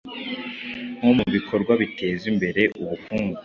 nko mu bikorwa biteza imbere ubukungu,